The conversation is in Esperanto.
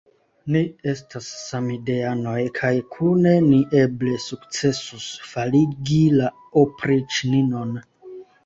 Ni estas samideanoj kaj kune ni eble sukcesus faligi la opriĉninon.